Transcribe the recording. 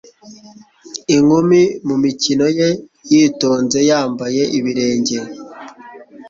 inkumi mumikino ye yitonze yambaye ibirenge